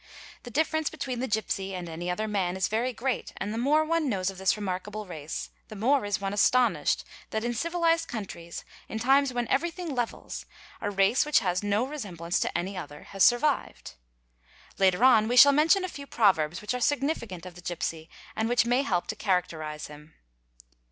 The difference between the gipsy and any other man is very great and the more one knows of this remarkable race the more is one astonished that, _ in civilised countries, in times when everything levels, a race which has | no resemblance to any other has survived. Later on we shall mention a j few proverbs which are significant of the gipsy and which may help t characterise him.